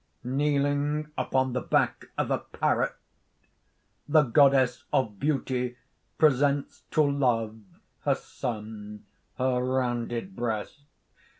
"Kneeling upon the back of a parrot, the Goddess of Beauty presents to Love, her son, her rounded breast.